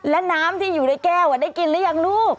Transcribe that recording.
และน้ำที่อยู่ในแก้วได้กินหรือยังลูก